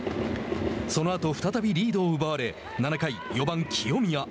そのあと再びリードを奪われ７回、４番清宮。